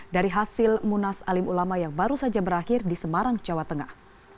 dari hasil munas alim ulama yang baru saja berakhir di semarang jawa tengah